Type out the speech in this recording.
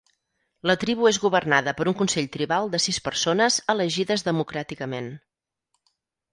La tribu és governada per un consell tribal de sis persones elegides democràticament.